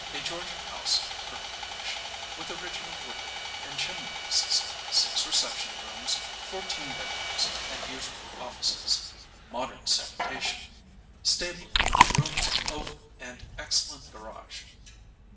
a Georgian house in perfect condition, with original woodwork 103 ON A CHINESE SCREEN and chimney pieces, six reception rooms, fourteen bedrooms and usual offices, modern sanitation, stabling with rooms over and excellent garage.